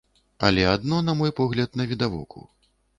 Але адно, на мой погляд, навідавоку.